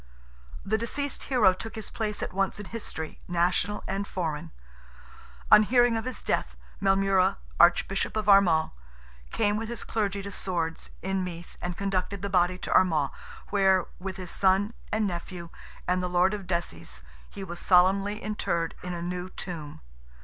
The deceased hero took his place at once in history, national and foreign. On hearing of his death, Maelmurra, Archbishop of Armagh, came with his clergy to Swords, in Meath, and conducted the body to Armagh, where, with his son and nephew and the Lord of Desies, he was solemnly interred "in a new tomb."